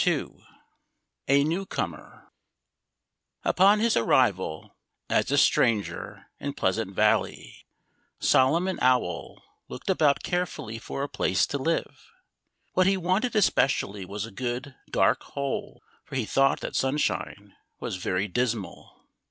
II A Newcomer Upon his arrival, as a stranger, in Pleasant Valley, Solomon Owl looked about carefully for a place to live. What he wanted especially was a good, dark hole, for he thought that sunshine was very dismal.